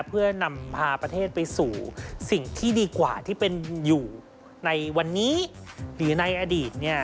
เพื่อนำพาประเทศไปสู่สิ่งที่ดีกว่าที่เป็นอยู่ในวันนี้หรือในอดีต